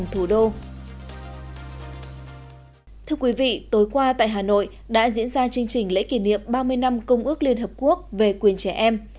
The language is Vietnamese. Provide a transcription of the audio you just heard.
thưa quý vị tối qua tại hà nội đã diễn ra chương trình lễ kỷ niệm ba mươi năm công ước liên hợp quốc về quyền trẻ em